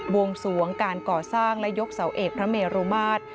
วงสวงการก่อสร้างและยกเสาเอกพระเมรุมาตร